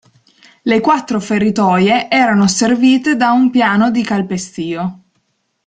Le quattro feritoie erano servite da un piano di calpestio.